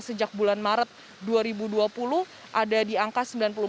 sejak bulan maret dua ribu dua puluh ada di angka sembilan puluh empat tiga ratus dua puluh tujuh